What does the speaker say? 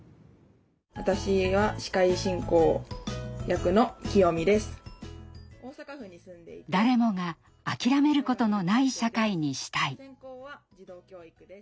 その子たちが誰もが諦めることのない社会にしたい。